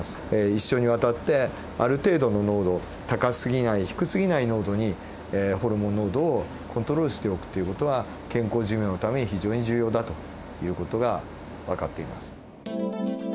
一生にわたってある程度の濃度高すぎない低すぎない濃度にホルモン濃度をコントロールしておくっていう事は健康寿命のために非常に重要だという事がわかっています。